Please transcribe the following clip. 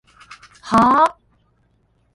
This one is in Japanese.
はーーー？